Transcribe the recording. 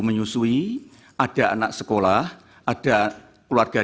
menyusui ada anak sekolah ada keluarga